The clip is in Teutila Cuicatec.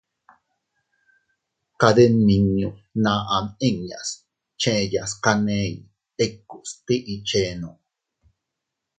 Kade nmiñu fnaʼa am inñas scheyas taney ikus tiʼi chenno.